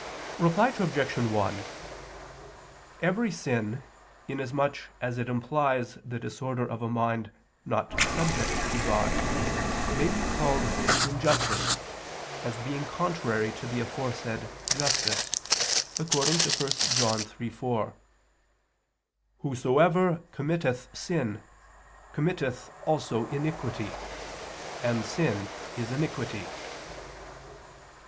Reply Obj. 1: Every sin, inasmuch as it implies the disorder of a mind not subject to God, may be called injustice, as being contrary to the aforesaid justice, according to 1 John 3:4: "Whosoever committeth sin, committeth also iniquity; and sin is iniquity."